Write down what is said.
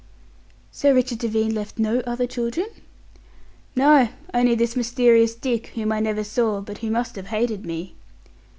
"Sir Richard Devine left no other children?" "No, only this mysterious Dick, whom I never saw, but who must have hated me."